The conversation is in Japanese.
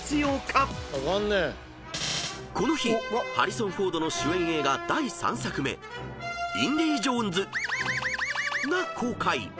［この日ハリソン・フォードの主演映画第３作目『インディ・ジョーンズ』が公開］